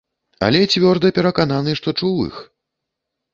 Але цвёрда перакананы, што чуў іх.